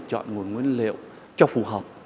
chọn nguồn nguyên liệu cho phù hợp